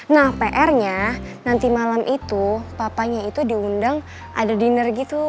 nah pr nya nanti malam itu papanya itu diundang ada dinner gitu